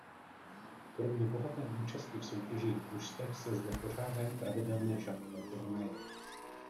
Kromě bohaté účasti v soutěžích družstev se zde pořádají pravidelné šachové turnaje.